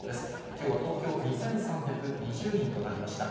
きょうは東京２３２０人となりました。